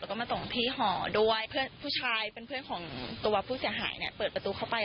แล้วก็มาส่งที่หอด้วยเพื่อนผู้ชายเป็นเพื่อนของตัวผู้เสียหายเนี่ยเปิดประตูเข้าไป